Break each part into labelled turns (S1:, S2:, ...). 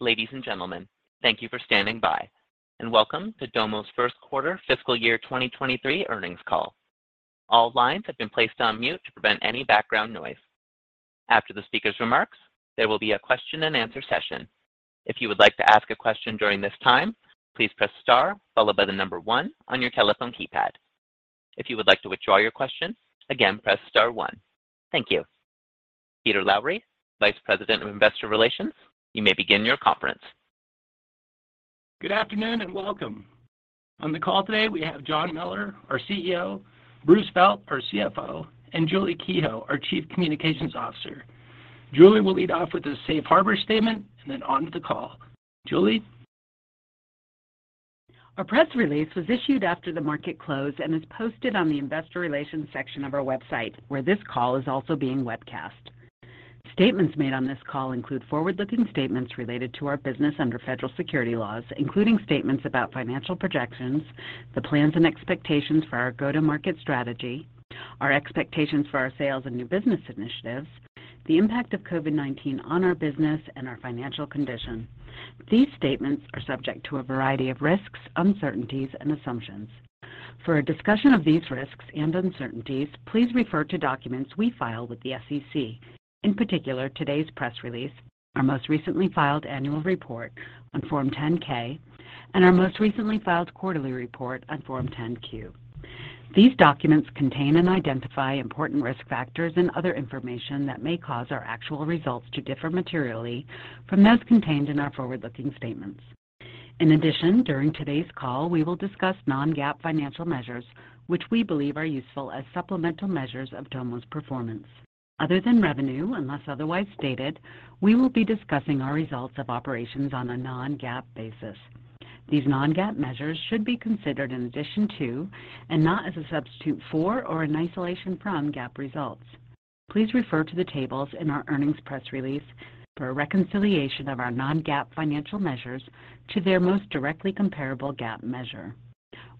S1: Ladies and gentlemen, thank you for standing by, and welcome to Domo's First Quarter Fiscal Year 2023 Earnings Call. All lines have been placed on mute to prevent any background noise. After the speaker's remarks, there will be a question-and-answer session. If you would like to ask a question during this time, please press star followed by the number one on your telephone keypad. If you would like to withdraw your question, again, press star one. Thank you. Peter Lowry, Vice President of Investor Relations, you may begin your conference.
S2: Good afternoon, and welcome. On the call today, we have John Mellor, our CEO, Bruce Felt, our CFO, and Julie Kehoe, our Chief Communications Officer. Julie will lead off with a safe harbor statement and then on to the call. Julie?
S3: Our press release was issued after the market closed and is posted on the investor relations section of our website, where this call is also being webcast. Statements made on this call include forward-looking statements related to our business under federal securities laws, including statements about financial projections, the plans and expectations for our go-to-market strategy, our expectations for our sales and new business initiatives, the impact of COVID-19 on our business and our financial condition. These statements are subject to a variety of risks, uncertainties and assumptions. For a discussion of these risks and uncertainties, please refer to documents we file with the SEC, in particular today's press release, our most recently filed annual report on Form 10-K, and our most recently filed quarterly report on Form 10-Q. These documents contain and identify important risk factors, and other information that may cause our actual results to differ materially from those contained in our forward-looking statements. In addition, during today's call, we will discuss non-GAAP financial measures, which we believe are useful as supplemental measures of Domo's performance. Other than revenue, unless otherwise stated, we will be discussing our results of operations on a non-GAAP basis. These non-GAAP measures should be considered in addition to, and not as a substitute for or in isolation from GAAP results. Please refer to the tables in our earnings press release for a reconciliation of our non-GAAP financial measures, to their most directly comparable GAAP measure.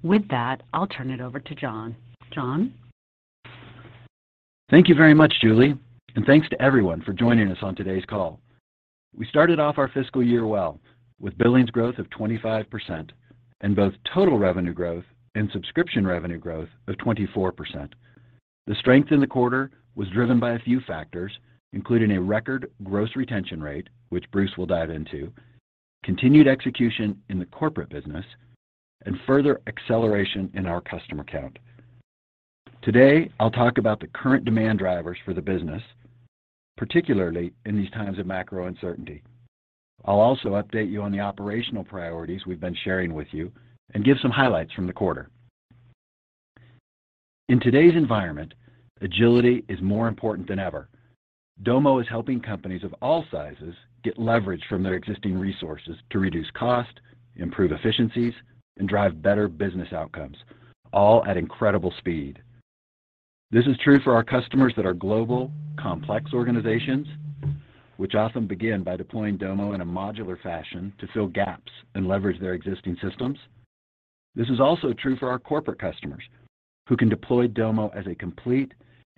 S3: With that, I'll turn it over to John. John?
S4: Thank you very much, Julie, and thanks to everyone for joining us on today's call. We started off our fiscal year well, with billings growth of 25% and both total revenue growth, and subscription revenue growth of 24%. The strength in the quarter was driven by a few factors, including a record gross retention rate, which Bruce will dive into, continued execution in the corporate business, and further acceleration in our customer count. Today, I'll talk about the current demand drivers for the business, particularly in these times of macro uncertainty. I'll also update you on the operational priorities we've been sharing with you, and give some highlights from the quarter. In today's environment, agility is more important than ever. Domo is helping companies of all sizes get leverage from their existing resources to reduce cost, improve efficiencies, and drive better business outcomes, all at incredible speed. This is true for our customers that are global, complex organizations, which often begin by deploying Domo in a modular fashion to fill gaps and leverage their existing systems. This is also true for our corporate customers who can deploy Domo as a complete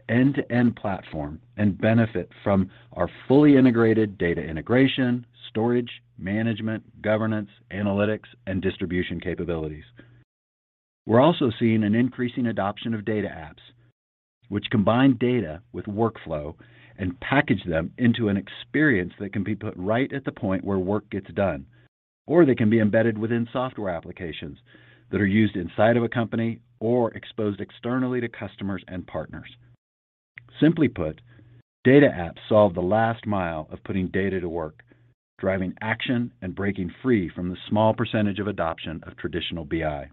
S4: end-to-end platform, and benefit from our fully integrated data integration, storage, management, governance, analytics, and distribution capabilities. We're also seeing an increasing adoption of data apps, which combine data with workflow and package them into an experience that can be put right at the point where work gets done, or they can be embedded within software applications that are used inside of a company or exposed externally to customers and partners. Simply put, data apps solve the last mile of putting data to work, driving action, and breaking free from the small percentage of adoption of traditional BI.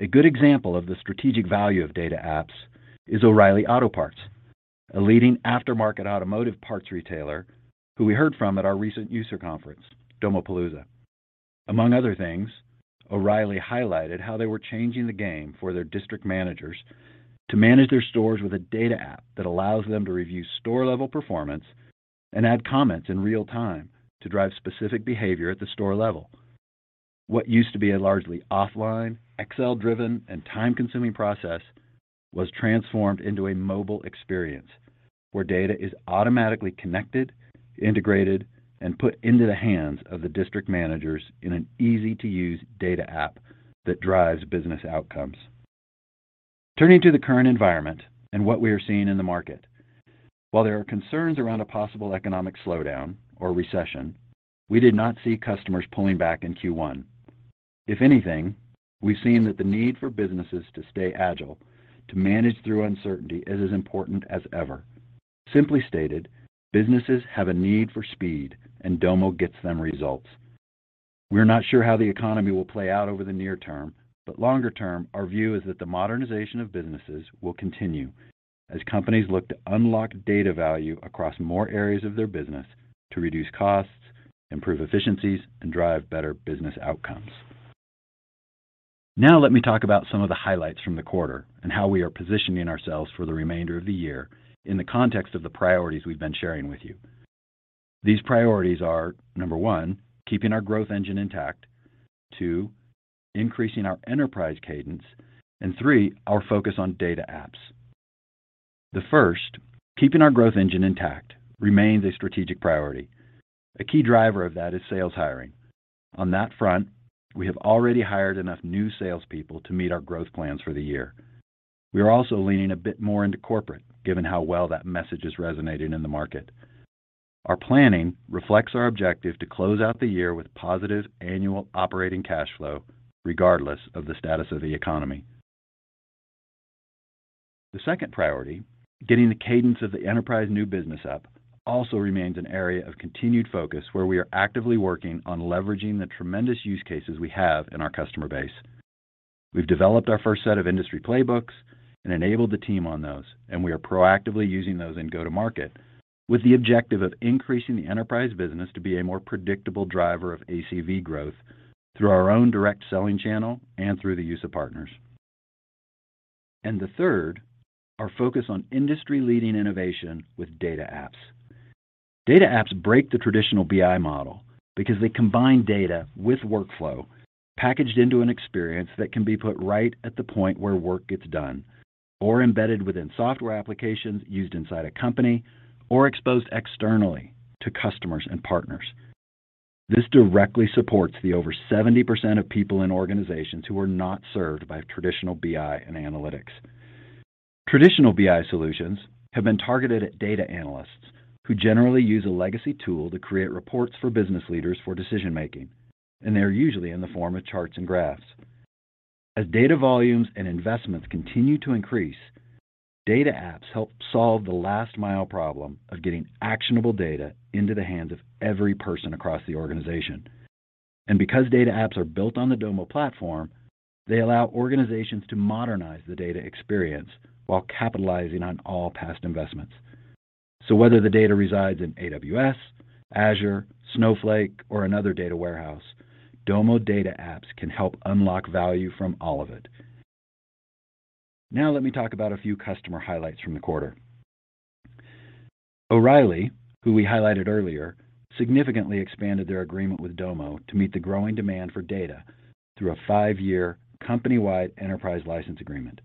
S4: A good example of the strategic value of data apps is O'Reilly Auto Parts, a leading aftermarket automotive parts retailer who we heard from at our recent user conference, Domopalooza. Among other things, O'Reilly highlighted how they were changing the game for their district managers, to manage their stores with a data app that allows them to review store-level performance, and add comments in real time to drive specific behavior at the store level. What used to be a largely offline, Excel-driven, and time-consuming process was transformed into a mobile experience where data is automatically connected, integrated, and put into the hands of the district managers in an easy-to-use data app that drives business outcomes. Turning to the current environment and what we are seeing in the market. While there are concerns around a possible economic slowdown or recession, we did not see customers pulling back in Q1. If anything, we've seen that the need for businesses to stay agile, to manage through uncertainty is as important as ever. Simply stated, businesses have a need for speed, and Domo gets them results. We're not sure how the economy will play out over the near term, but longer term, our view is that the modernization of businesses will continue, as companies look to unlock data value across more areas of their business to reduce costs, improve efficiencies, and drive better business outcomes. Now let me talk about some of the highlights from the quarter, and how we are positioning ourselves for the remainder of the year in the context of the priorities we've been sharing with you. These priorities are, number one, keeping our growth engine intact. Two, increasing our enterprise cadence. Three, our focus on data apps. The first, keeping our growth engine intact remains a strategic priority. A key driver of that is sales hiring. On that front, we have already hired enough new salespeople to meet our growth plans for the year. We are also leaning a bit more into corporate, given how well that message is resonating in the market. Our planning reflects our objective to close out the year with positive annual operating cash flow, regardless of the status of the economy. The second priority, getting the cadence of the enterprise new business up, also remains an area of continued focus where we are actively working on leveraging the tremendous use cases we have in our customer base. We've developed our first set of industry playbooks and enabled the team on those, and we are proactively using those in go-to-market, with the objective of increasing the enterprise business to be a more predictable driver of ACV growth through our own direct selling channel, and through the use of partners. The third, our focus on industry-leading innovation with Data apps. Data apps break the traditional BI model, because they combine data with workflow, packaged into an experience that can be put right at the point where work gets done, or embedded within software applications used inside a company or exposed externally to customers and partners. This directly supports the over 70% of people in organizations who are not served by traditional BI and analytics. Traditional BI solutions have been targeted at data analysts, who generally use a legacy tool to create reports for business leaders for decision-making, and they are usually in the form of charts and graphs. As data volumes and investments continue to increase, data apps help solve the last mile problem of getting actionable data into the hands of every person across the organization. Because data apps are built on the Domo platform, they allow organizations to modernize the data experience while capitalizing on all past investments. Whether the data resides in AWS, Azure, Snowflake, or another data warehouse, Domo data apps can help unlock value from all of it. Now, let me talk about a few customer highlights from the quarter. O'Reilly, who we highlighted earlier, significantly expanded their agreement with Domo, to meet the growing demand for data through a five-year company-wide enterprise license agreement.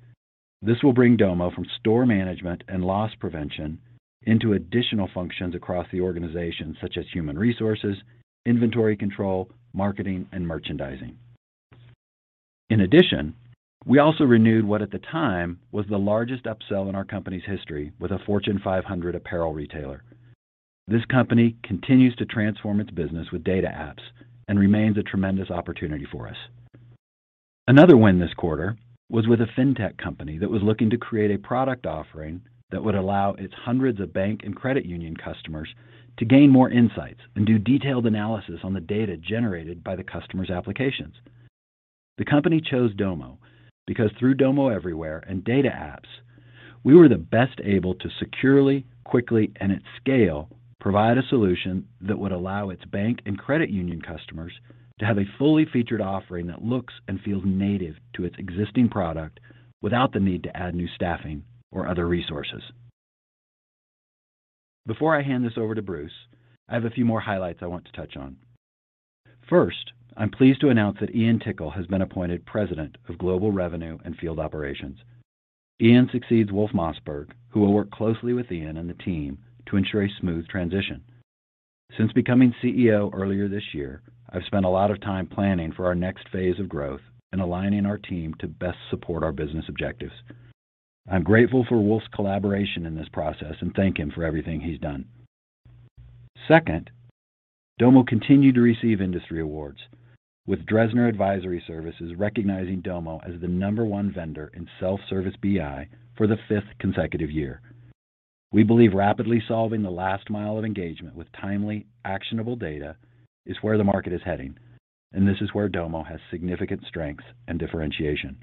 S4: This will bring Domo from store management and loss prevention into additional functions across the organization, such as human resources, inventory control, marketing, and merchandising. In addition, we also renewed what at the time was the largest upsell in our company's history with a Fortune 500 apparel retailer. This company continues to transform its business with data apps, and remains a tremendous opportunity for us. Another win this quarter was with a fintech company that was looking to create a product offering, that would allow its hundreds of bank and credit union customers to gain more insights, and do detailed analysis on the data generated by the customer's applications. The company chose Domo, because through Domo Everywhere and data apps, we were the best able to securely, quickly, and at scale provide a solution that would allow its bank and credit union customers to have a fully featured offering that looks, and feels native to its existing product, without the need to add new staffing or other resources. Before I hand this over to Bruce, I have a few more highlights I want to touch on. First, I'm pleased to announce that Ian Tickle has been appointed President of Global Revenue and Field Operations. Ian succeeds Wolf Mossberg, who will work closely with Ian and the team to ensure a smooth transition. Since becoming CEO earlier this year, I've spent a lot of time planning for our next phase of growth, and aligning our team to best support our business objectives. I'm grateful for Wolf's collaboration in this process, and thank him for everything he's done. Second, Domo continued to receive industry awards with Dresner Advisory Services, recognizing Domo as the number one vendor in self-service BI for the fifth consecutive year. We believe rapidly solving the last mile of engagement with timely, actionable data is where the market is heading, and this is where Domo has significant strength and differentiation.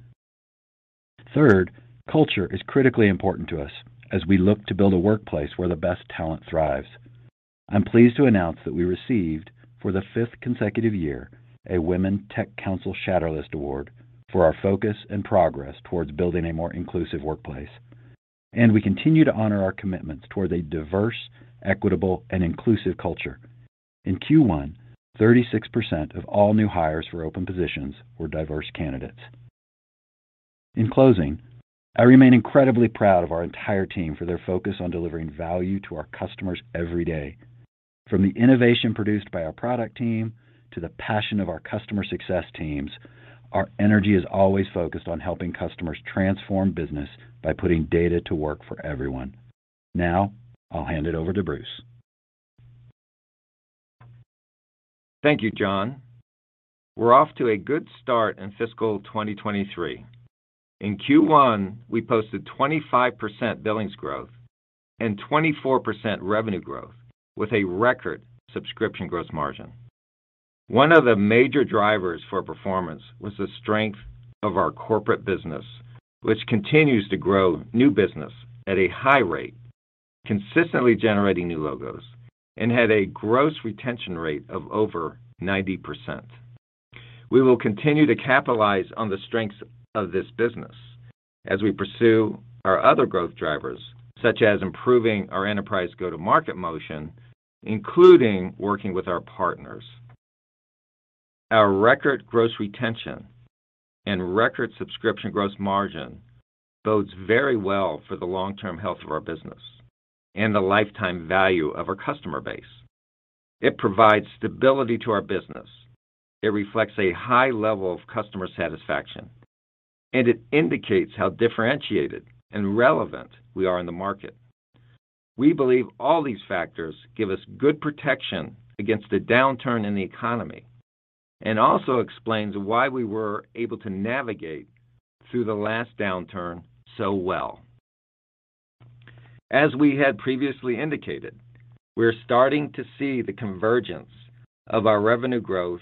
S4: Third, culture is critically important to us, as we look to build a workplace where the best talent thrives. I'm pleased to announce that we received, for the fifth consecutive year, a Women Tech Council Shatter List Award for our focus and progress towards building a more inclusive workplace. We continue to honor our commitments toward a diverse, equitable, and inclusive culture. In Q1, 36% of all new hires for open positions were diverse candidates. In closing, I remain incredibly proud of our entire team for their focus on delivering value to our customers every day. From the innovation produced by our product team to the passion of our customer success teams, our energy is always focused on helping customers transform business by putting data to work for everyone. Now, I'll hand it over to Bruce.
S5: Thank you, John. We're off to a good start in fiscal 2023. In Q1, we posted 25% billings growth and 24% revenue growth, with a record subscription gross margin. One of the major drivers for performance was the strength of our corporate business, which continues to grow new business at a high rate, consistently generating new logos, and had a gross retention rate of over 90%. We will continue to capitalize on the strengths of this business, as we pursue our other growth drivers, such as improving our enterprise go-to-market motion, including working with our partners. Our record gross retention and record subscription gross margin bodes very well for the long-term health of our business, and the lifetime value of our customer base. It provides stability to our business. It reflects a high level of customer satisfaction, and it indicates how differentiated and relevant we are in the market. We believe all these factors give us good protection against the downturn in the economy, and also explains why we were able to navigate through the last downturn so well. As we had previously indicated, we're starting to see the convergence of our revenue growth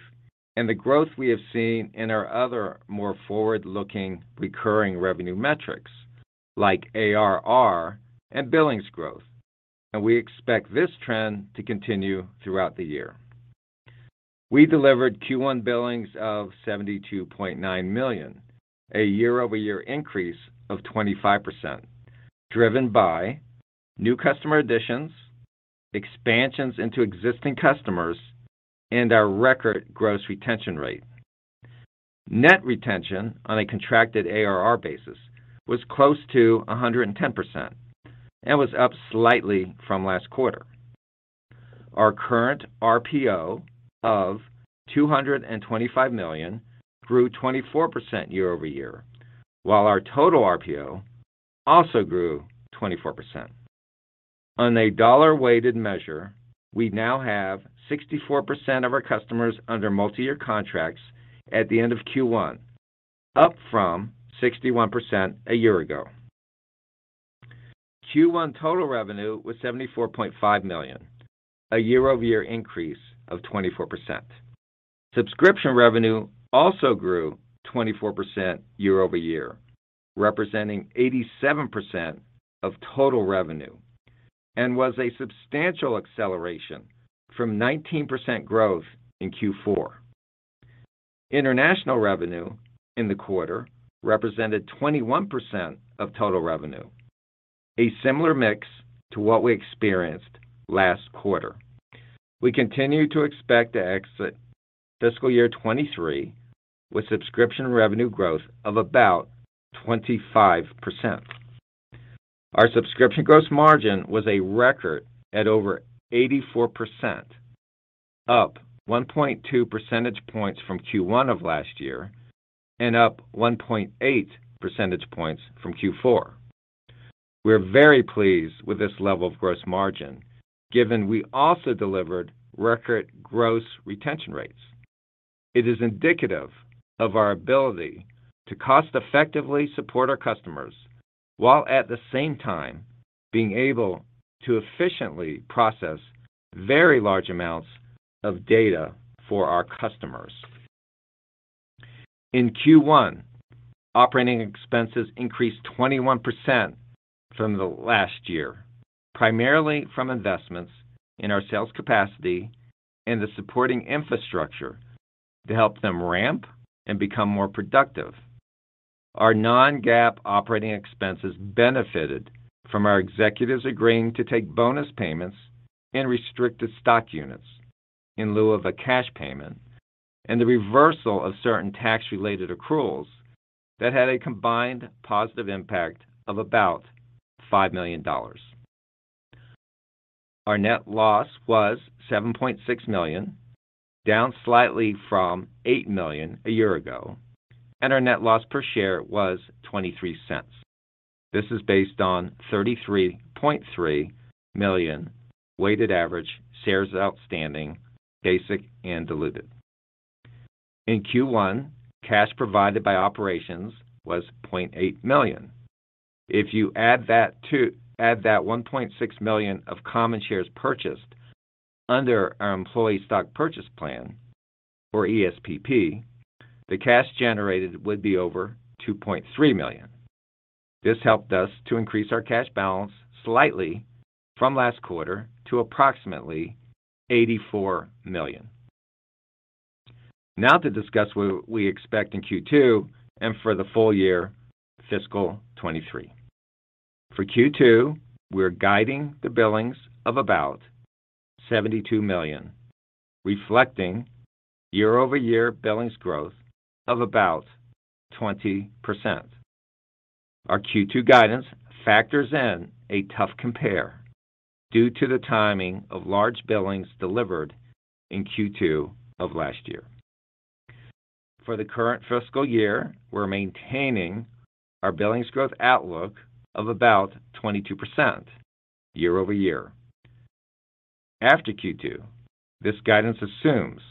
S5: and the growth we have seen in our other more forward-looking recurring revenue metrics like ARR and billings growth, and we expect this trend to continue throughout the year. We delivered Q1 billings of $72.9 million, a year-over-year increase of 25%, driven by new customer additions, expansions into existing customers, and our record gross retention rate. Net retention on a contracted ARR basis was close to 110%, and was up slightly from last quarter. Our current RPO of $25 million grew 24% year over year, while our total RPO also grew 24%. On a dollar-weighted measure, we now have 64% of our customers under multi-year contracts at the end of Q1, up from 61% a year ago. Q1 total revenue was $74.5 million, a year-over-year increase of 24%. Subscription revenue also grew 24% year over year, representing 87% of total revenue and was a substantial acceleration from 19% growth in Q4. International revenue in the quarter represented 21% of total revenue, a similar mix to what we experienced last quarter. We continue to expect to exit fiscal year 2023 with subscription revenue growth of about 25%. Our subscription gross margin was a record at over 84%, up 1.2 percentage points from Q1 of last year and up 1.8 percentage points from Q4. We're very pleased with this level of gross margin, given we also delivered record gross retention rates. It is indicative of our ability to cost-effectively support our customers, while at the same time being able to efficiently process very large amounts of data for our customers. In Q1, operating expenses increased 21% from the last year, primarily from investments in our sales capacity and the supporting infrastructure to help them ramp, and become more productive. Our non-GAAP operating expenses benefited from our executives agreeing to take bonus payments, and restricted stock units in lieu of a cash payment and the reversal of certain tax-related accruals that had a combined positive impact of about $5 million. Our net loss was $7.6 million, down slightly from $8 million a year ago, and our net loss per share was $0.23. This is based on 33.3 million weighted average shares outstanding, basic and diluted. In Q1, cash provided by operations was $0.8 million. If you add that one point six million of common shares purchased under our employee stock purchase plan or ESPP, the cash generated would be over $2.3 million. This helped us to increase our cash balance slightly from last quarter to approximately $84 million. Now, to discuss what we expect in Q2 and for the full year fiscal 2023. For Q2, we're guiding the billings of about $72 million, reflecting year-over-year billings growth of about 20%. Our Q2 guidance factors in a tough compare, due to the timing of large billings delivered in Q2 of last year. For the current fiscal year, we're maintaining our billings growth outlook of about 22% year-over-year. After Q2, this guidance assumes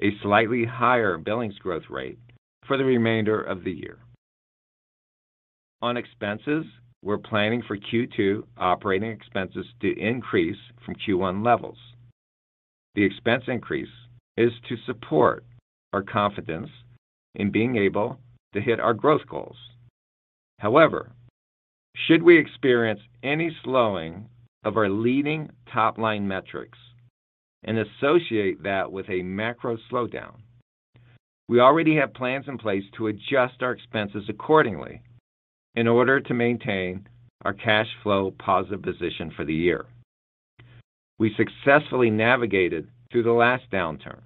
S5: a slightly higher billings growth rate for the remainder of the year. On expenses, we're planning for Q2 operating expenses to increase from Q1 levels. The expense increase is to support our confidence in being able to hit our growth goals. However, should we experience any slowing of our leading top-line metrics and associate that with a macro slowdown, we already have plans in place to adjust our expenses accordingly, in order to maintain our cash flow positive position for the year. We successfully navigated through the last downturn,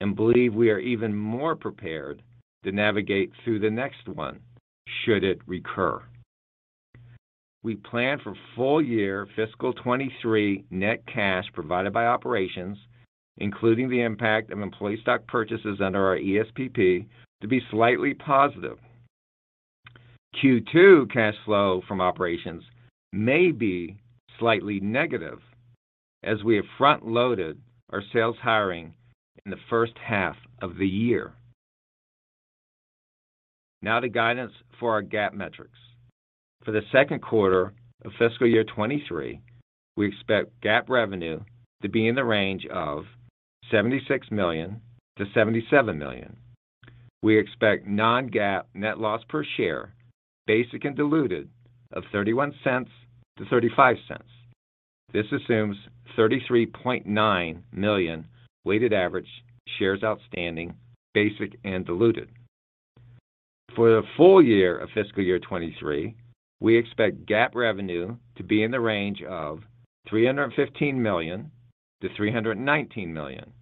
S5: and believe we are even more prepared to navigate through the next one should it recur. We plan for full-year fiscal 2023 net cash provided by operations, including the impact of employee stock purchases under our ESPP to be slightly positive. Q2 cash flow from operations may be slightly negative, as we have front-loaded our sales hiring in the first half of the year. Now, the guidance for our GAAP metrics. For the second quarter of fiscal year 2023, we expect GAAP revenue to be in the range of $76 million-$77 million. We expect non-GAAP net loss per share, basic and diluted, of $0.31-$0.35. This assumes 33.9 million weighted average shares outstanding, basic and diluted. For the full year of fiscal year 2023, we expect GAAP revenue to be in the range of $315 million-$319 million,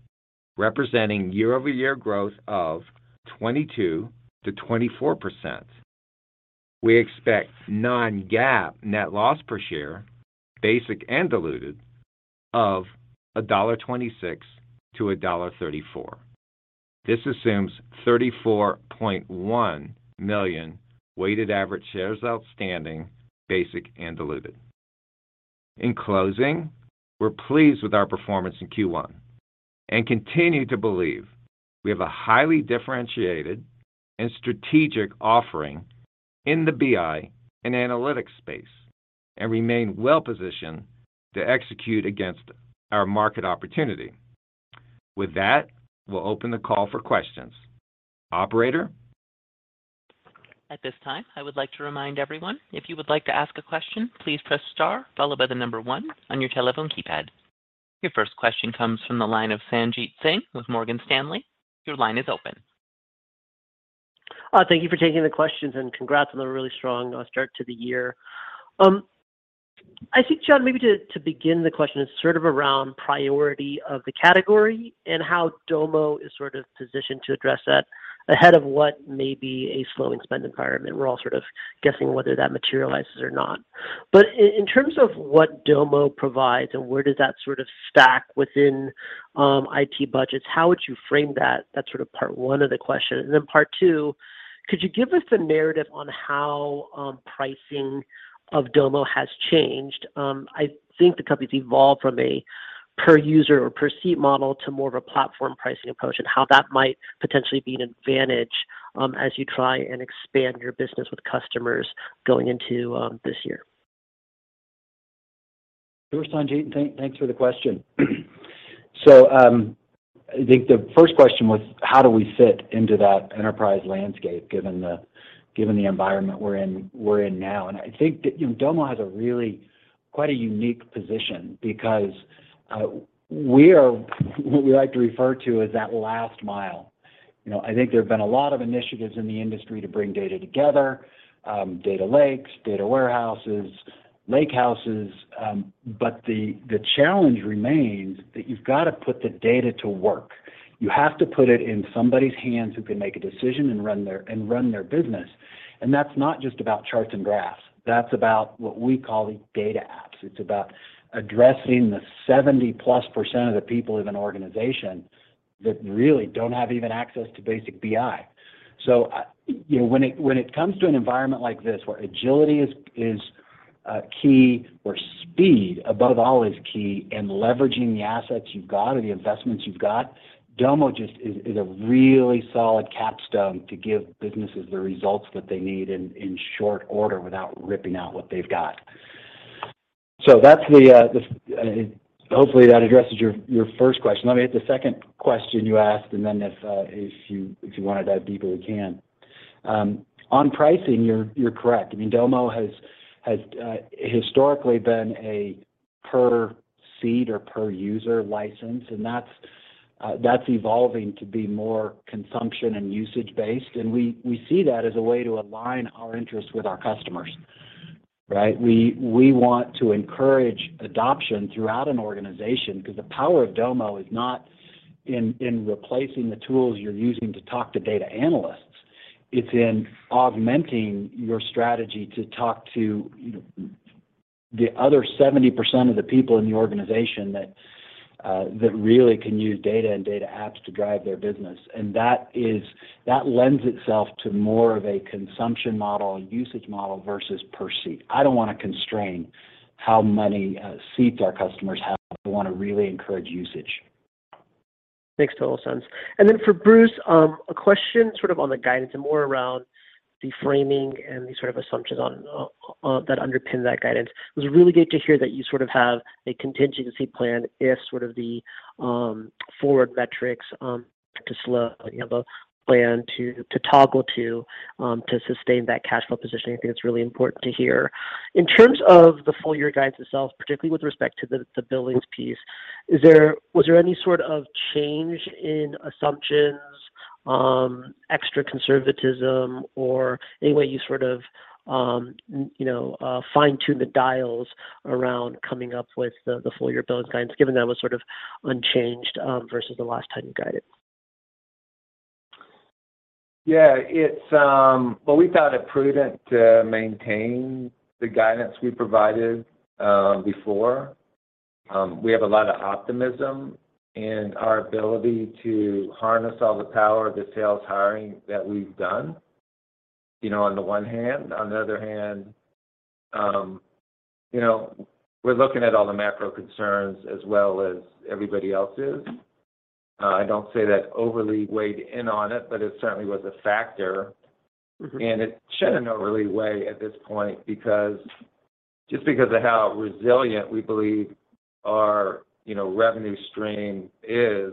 S5: representing year-over-year growth of 22%-24%. We expect non-GAAP net loss per share, basic and diluted, of $1.26-$1.34. This assumes 34.1 million weighted average shares outstanding, basic and diluted. In closing, we're pleased with our performance in Q1, and continue to believe we have a highly differentiated and strategic offering in the BI and analytics space, and remain well-positioned to execute against our market opportunity. With that, we'll open the call for questions. Operator.
S1: At this time, I would like to remind everyone, if you would like to ask a question, please press star followed by the number one on your telephone keypad. Your first question comes from the line of Sanjit Singh with Morgan Stanley. Your line is open.
S6: Thank you for taking the questions, and congrats on a really strong start to the year. I think, John, maybe to begin the question, is sort of around priority of the category, and how Domo is sort of positioned to address that ahead of what may be a slowing spend environment. We're all sort of guessing whether that materializes or not. In terms of what Domo provides and where does that sort of stack within IT budgets, how would you frame that? That's sort of part one of the question. Then part two, could you give us a narrative on how pricing of Domo has changed? I think the company's evolved from a per-user or per-seat model to more of a platform pricing approach, and how that might potentially be an advantage, as you try and expand your business with customers going into this year.
S4: Sure, Sanjit. Thanks for the question. I think the first question was, how do we fit into that enterprise landscape given the environment we're in now? I think that, you know, Domo has a really quite a unique position because we are what we like to refer to as that last mile. You know, I think there have been a lot of initiatives in the industry to bring data together, data lakes, data warehouses, lake houses, but the challenge remains that you've got to put the data to work. You have to put it in somebody's hands who can make a decision and run their business. That's not just about charts and graphs. That's about what we call the data apps. It's about addressing the 70%+ of the people in an organization that really don't have even access to basic BI. You know, when it comes to an environment like this where agility is key or speed above all is key, and leveraging the assets you've got or the investments you've got, Domo just is a really solid capstone to give businesses the results that they need in short order without ripping out what they've got. That hopefully addresses your first question. Let me hit the second question you asked, and then if you want to dive deeper, we can. On pricing, you're correct. I mean, Domo has historically been a per seat or per user license, and that's evolving to be more consumption and usage-based. We see that as a way to align our interests with our customers, right? We want to encourage adoption throughout an organization, because the power of Domo is not in replacing the tools you're using to talk to data analysts. It's in augmenting your strategy to talk to, you know, the other 70% of the people in the organization that really can use data and data apps to drive their business. That lends itself to more of a consumption model, a usage model versus per seat. I don't want to constrain how many seats our customers have. I want to really encourage usage.
S6: Makes total sense. Then for Bruce, a question sort of on the guidance and more around the framing, and the sort of assumptions that underpin that guidance. It was really good to hear that you sort of have a contingency plan if sort of the forward metrics to slow, you have a plan to toggle to sustain that cash flow positioning. I think it's really important to hear. In terms of the full-year guidance itself, particularly with respect to the billings piece, was there any sort of change in assumptions, extra conservatism or any way you sort of, you know, fine-tune the dials around coming up with the full-year billings guidance, given that was sort of unchanged versus the last time you guided.
S5: Yeah, we found it prudent to maintain the guidance we provided before. We have a lot of optimism in our ability to harness all the power of the sales hiring that we've done, you know, on the one hand. On the other hand, you know, we're looking at all the macro concerns as well as everybody else is. I don't say that's overly weighed in on it, but it certainly was a factor. It shouldn't overly weigh at this point, just because of how resilient we believe our you know revenue stream is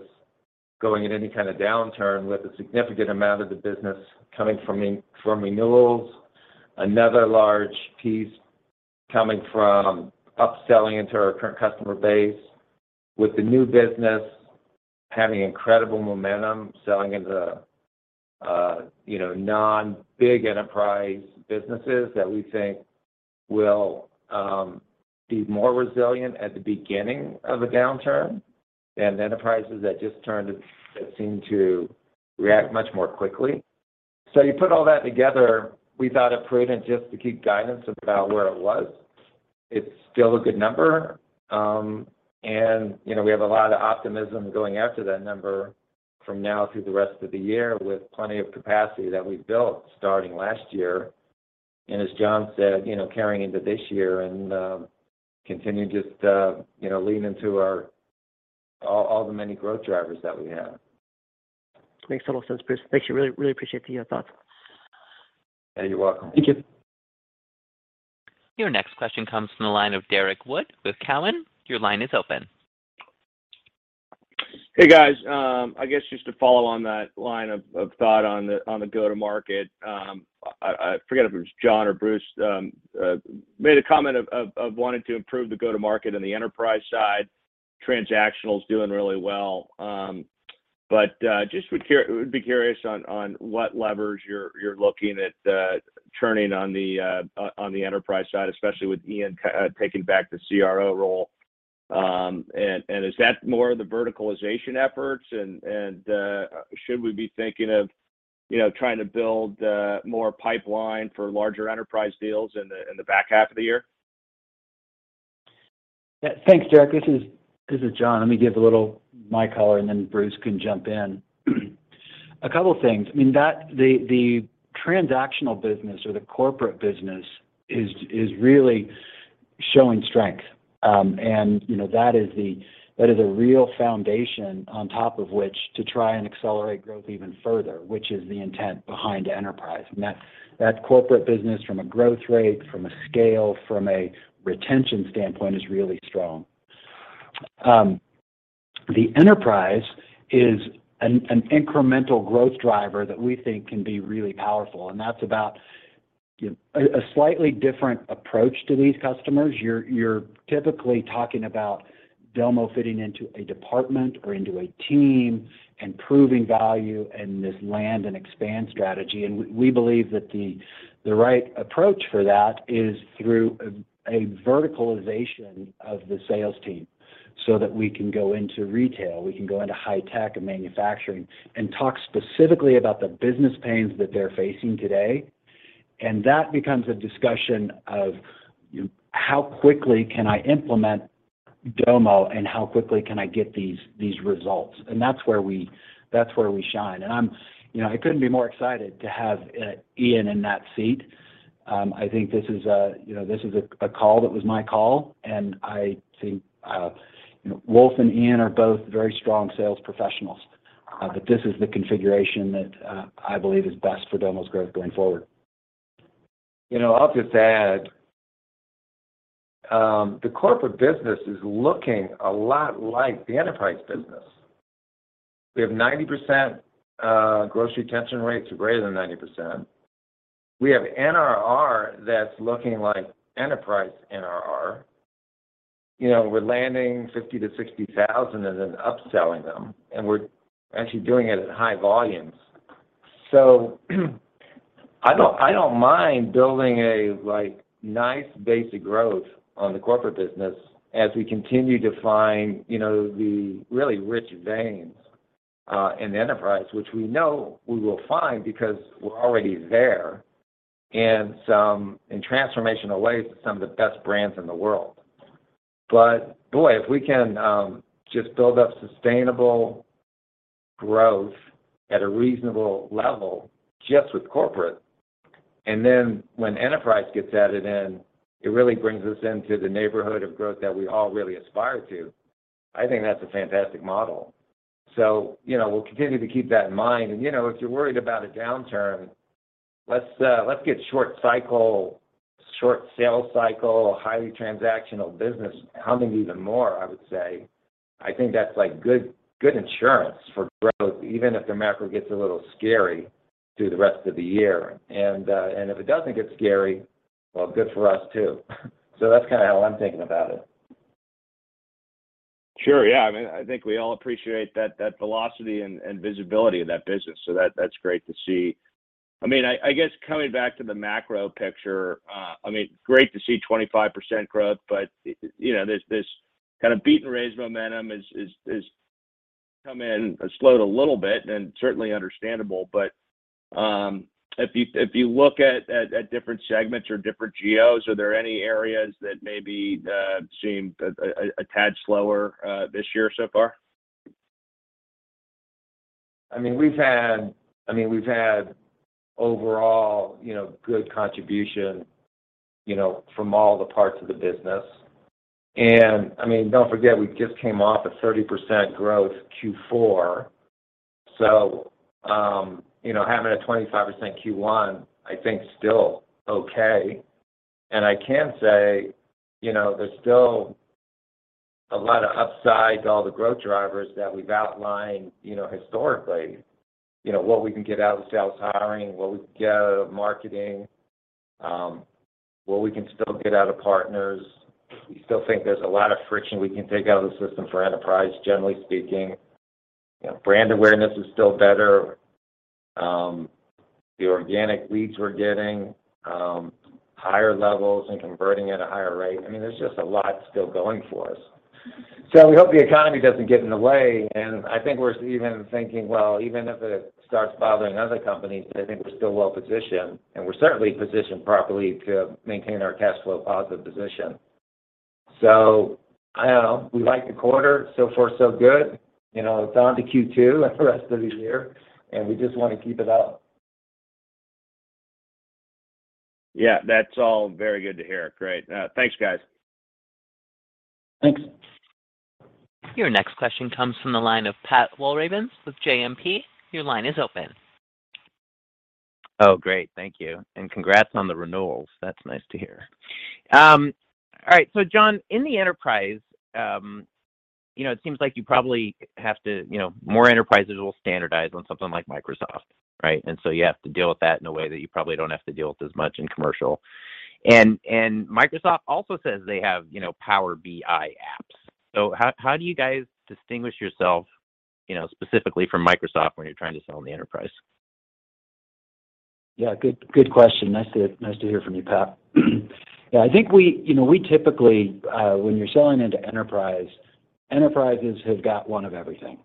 S5: going in any kind of downturn, with a significant amount of the business coming from renewals. Another large piece coming from upselling into our current customer base. With the new business having incredible momentum, selling into, you know, non-big enterprise businesses that we think will be more resilient at the beginning of a downturn, than enterprises that seem to react much more quickly. You put all that together, we thought it prudent just to keep guidance about where it was. It's still a good number. You know, we have a lot of optimism going after that number from now through the rest of the year, with plenty of capacity that we built starting last year. As John said, you know, carrying into this year and continuing just, you know, to lean into all the many growth drivers that we have.
S6: Makes total sense, Bruce. Thanks. Really, really appreciate your thoughts.
S5: Yeah, you're welcome.
S6: Thank you.
S1: Your next question comes from the line of Derrick Wood with TD Cowen. Your line is open.
S7: Hey, guys. I guess just to follow on that line of thought on the go-to-market, I forget if it was John or Bruce made a comment of wanting to improve the go-to-market on the enterprise side. Transactional is doing really well. Just would be curious on what levers you're looking at turning on the enterprise side, especially with Ian taking back the CRO role. Is that more of the verticalization efforts, and should we be thinking of, you know, trying to build more pipeline for larger enterprise deals in the back half of the year?
S4: Yeah. Thanks, Derek. This is John. Let me give a little color, and then Bruce can jump in. A couple things. I mean, the transactional business or the corporate business is really showing strength. You know, that is a real foundation on top of which to try and accelerate growth even further, which is the intent behind enterprise. That corporate business from a growth rate, from a scale, from a retention standpoint is really strong. The enterprise is an incremental growth driver that we think can be really powerful, and that's about a slightly different approach to these customers. You're typically talking about Domo fitting into a department or into a team, and proving value in this land and expand strategy. We believe that the right approach for that is through a verticalization of the sales team, so that we can go into retail, we can go into high tech and manufacturing, and talk specifically about the business pains that they're facing today. That becomes a discussion of, how quickly can I implement Domo, and how quickly can I get these results? That's where we shine. You know, I couldn't be more excited to have Ian in that seat. I think this is a call that was my call, and I think you know, Wolf and Ian are both very strong sales professionals. This is the configuration that I believe is best for Domo's growth going forward.
S5: You know, I'll just add, the corporate business is looking a lot like the enterprise business. We have 90% gross retention rates, or greater than 90%. We have NRR that's looking like enterprise NRR. You know, we're landing $50,000-$60,000 and then upselling them, and we're actually doing it at high volumes. I don't mind building nice basic growth on the corporate business as we continue to find, you know, the really rich veins in enterprise, which we know we will find because we're already there in some transformational ways, with some of the best brands in the world. Boy, if we can just build up sustainable growth at a reasonable level just with corporate, and then when enterprise gets added in, it really brings us into the neighborhood of growth that we all really aspire to, I think that's a fantastic model. You know, we'll continue to keep that in mind. You know, if you're worried about a downturn, let's get short cycle, short sales cycle, highly transactional business humming even more, I would say. I think that's like good insurance for growth, even if the macro gets a little scary through the rest of the year. If it doesn't get scary, well, good for us too. That's kind of how I'm thinking about it.
S7: Sure. Yeah, I mean, I think we all appreciate that velocity and visibility of that business. That's great to see. I mean, I guess coming back to the macro picture, I mean, great to see 25% growth, but you know, this kind of beat and raise momentum come in slowed a little bit, and certainly understandable. If you look at different segments or different geos, are there any areas that maybe seem a tad slower this year so far?
S5: I mean, we've had overall, you know, good contribution, you know, from all the parts of the business. I mean, don't forget, we just came off a 30% growth Q4. You know, having a 25% Q1, I think still okay. I can say, you know, there's still a lot of upside to all the growth drivers that we've outlined, you know, historically. You know, what we can get out of sales hiring, what we can get out of marketing, what we can still get out of partners, we still think there's a lot of friction we can take out of the system for enterprise, generally speaking. You know, brand awareness is still better. The organic leads we're getting, higher levels and converting at a higher rate. I mean, there's just a lot still going for us. We hope the economy doesn't get in the way, and I think we're even thinking, well, even if it starts bothering other companies, I think we're still well-positioned and we're certainly positioned properly to maintain our cash flow positive position. I don't know. We like the quarter. So far, so good. You know, it's on to Q2 and for the rest of the year, and we just want to keep it up.
S7: Yeah. That's all very good to hear. Great. Thanks, guys.
S5: Thanks.
S1: Your next question comes from the line of Patrick Walravens with JMP. Your line is open.
S8: Oh, great. Thank you. Congrats on the renewals. That's nice to hear. All right, John, in the enterprise, you know, it seems like probably, you know, more enterprises will standardize on something like Microsoft, right? You have to deal with that in a way that you probably don't have to deal with as much in commercial. Microsoft also says they have, you know, Power BI apps. How do you guys distinguish yourself, you know, specifically from Microsoft when you're trying to sell in the enterprise?
S4: Yeah, good question. Nice to hear from you, Pat. Yeah, I think typically, you know, when you're selling into enterprise, enterprises have got one of everything.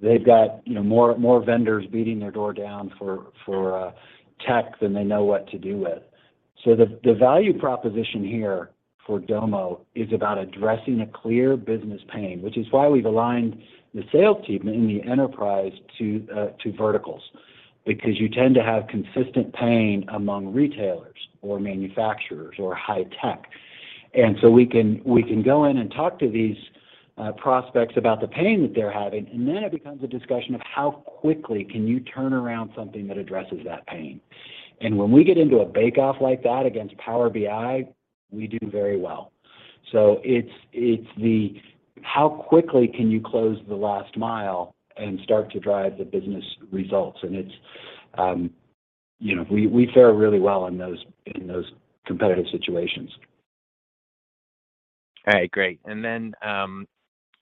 S4: They've got, you know, more vendors beating their door down for tech than they know what to do with. The value proposition here for Domo is about addressing a clear business pain, which is why we've aligned the sales team in the enterprise to verticals. Because you tend to have consistent pain among retailers, or manufacturers or high tech. We can go in and talk to these prospects about the pain that they're having, and then it becomes a discussion of, how quickly can you turn around something that addresses that pain? When we get into a bake-off like that against Power BI, we do very well. It's, how quickly can you close the last mile and start to drive the business results? You know, we fare really well in those competitive situations.
S8: All right, great.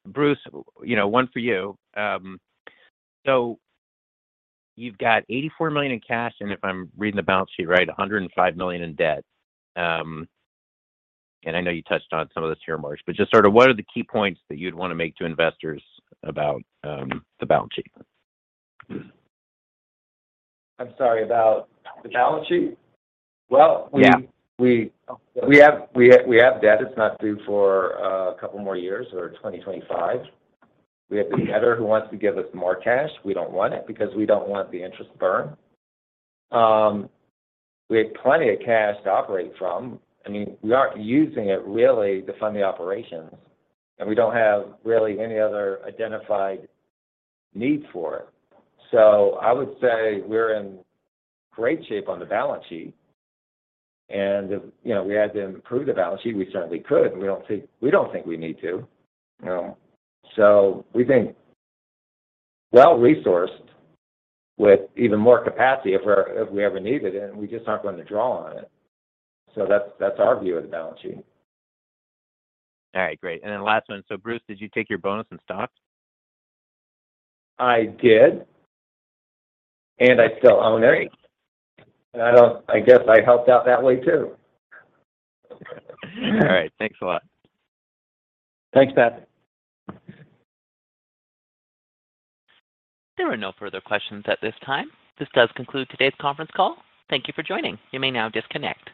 S8: Then Bruce, you know, one for you. You've got $84 million in cash, and if I'm reading the balance sheet right, $105 million in debt. I know you touched on some of this here, but just sort of what are the key points that you'd want to make to investors about the balance sheet?
S5: I'm sorry, about the balance sheet?
S8: Yeah
S5: We have debt. It's not due for a couple more years or 2025. We have the lender who wants to give us more cash. We don't want it because we don't want the interest burn. We have plenty of cash to operate from. I mean, we aren't using it really to fund the operations, and we don't have really any other identified need for it. I would say we're in great shape on the balance sheet. If, you know, we had to improve the balance sheet, we certainly could, and we don't think we need to. We think, well-resourced with even more capacity if we ever needed it, and we just aren't going to draw on it. That's our view of the balance sheet.
S8: All right, great. Last one, Bruce, did you take your bonus in stocks?
S5: I did, and I still own it.
S8: Great.
S5: I guess I helped out that way too.
S8: All right. Thanks a lot.
S4: Thanks, Pat.
S1: There are no further questions at this time. This does conclude today's conference call. Thank you for joining. You may now disconnect.